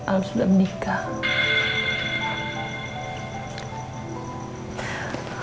al sudah menikah